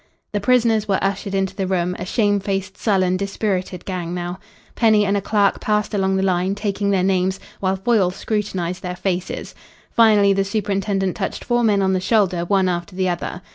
The prisoners were ushered into the room, a shame faced, sullen, dispirited gang now. Penny and a clerk passed along the line, taking their names, while Foyle scrutinised their faces. Finally, the superintendent touched four men on the shoulder one after the other.